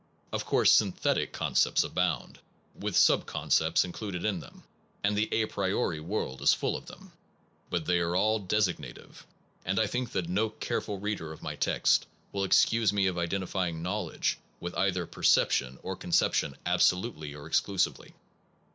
Of course synthetic concepts abound, with subconcepts in cluded in them, and the a priori world is full of them. But they are all designative; and I think that no careful reader of my text will ac cuse me of identifying knowledge with either perception or concep. tion absolutely or exclusively.